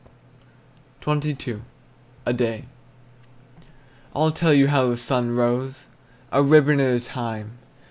XXII. A DAY. I'll tell you how the sun rose, A ribbon at a time.